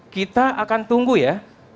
kita akan tunggu ya